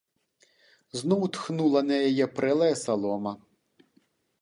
Зноў тхнула на яе прэлая салома.